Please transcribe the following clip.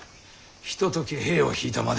ひととき兵を引いたまで。